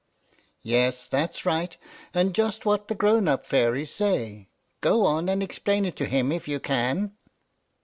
Yes, that's right, and just what the grown up fairies say. Go on, and explain it to him if you can."